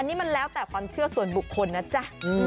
นี่มันแล้วแต่ความเชื่อส่วนบุคคลนะจ๊ะ